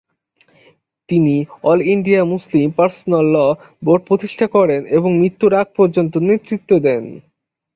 তিনি অল ইন্ডিয়া মুসলিম পার্সোনাল ল’ বোর্ড প্রতিষ্ঠা করেন এবং মৃত্যুর আগ পর্যন্ত নেতৃত্ব দেন।